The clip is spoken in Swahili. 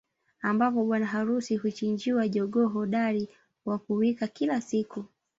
Ambapo bwana harusi huchinjiwa jogoo hodari wa kuwika kila siku